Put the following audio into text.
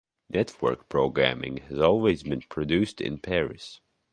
Network programming has always been produced in Paris.